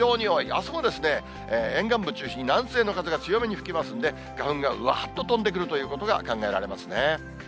あすも沿岸部中心に南西の風が強めに吹きますんで、花粉がうわーっと飛んでくるということが考えられますね。